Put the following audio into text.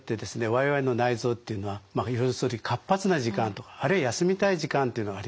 我々の内臓というのはまあ要するに活発な時間とかあるいは休みたい時間というのがありますね。